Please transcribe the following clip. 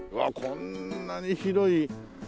こんなに広い。